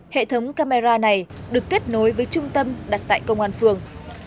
hệ thống camera này được kết nối với trung tâm đặt tại công an phường